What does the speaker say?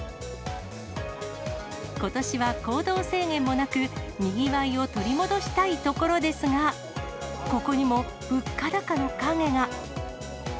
ことしは行動制限もなく、にぎわいを取り戻したいところですが、ここにも物価高の影が。